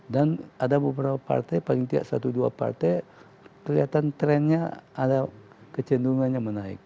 dan ada beberapa partai paling tidak satu dua partai terlihat trendnya kecendungannya menaik